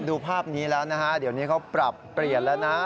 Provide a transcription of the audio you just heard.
ดูภาพนี้แล้วนะฮะเดี๋ยวนี้เขาปรับเปลี่ยนแล้วนะ